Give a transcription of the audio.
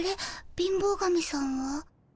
貧乏神さんは？